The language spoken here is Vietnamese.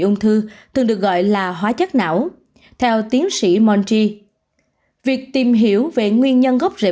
ung thư thường được gọi là hóa chất não theo tiến sĩ montry việc tìm hiểu về nguyên nhân gốc rễ